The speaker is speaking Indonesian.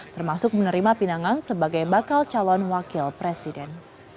termasuk menerima pinangan sebagai bakal calon wakil presiden